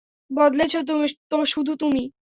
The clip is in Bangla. বদলেছো তো শুধু তুমি।